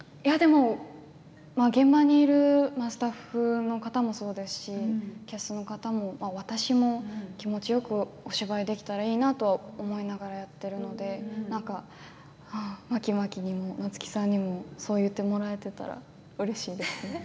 現場にいるスタッフの方もそうですし、キャストの方も私も気持ちよくお芝居できたらいいなと思いながらやっているのでまきまきにも夏木さんにもそう言ってもらえていたらうれしいです。